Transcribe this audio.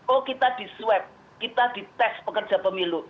oh kita disweb kita dites pekerja pemilu